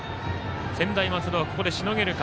専大松戸はここでしのげるか。